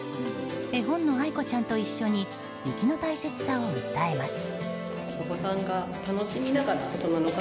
絵本のあいこちゃんと一緒に雪の大切さを訴えます。